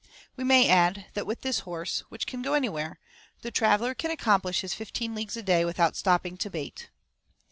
We may add that with this horse, which can go anywhere, the traveller can accomplish his fifteen leagues a day without stopping to bait.